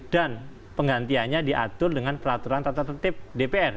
penggantiannya diatur dengan peraturan tata tertib dpr